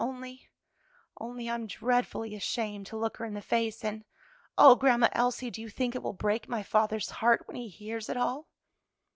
only only I'm dreadfully ashamed to look her in the face. And O Grandma Elsie, do you think it will break my father's heart when he hears it all?"